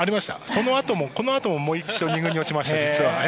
そのあとも、このあとももう一度、２軍に落ちました、実は。